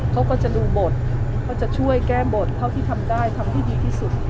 เขาก็จะดูบทเขาจะช่วยแก้บทเท่าที่ทำได้ทำให้ดีที่สุด